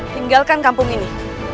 tinggalkan kampung ini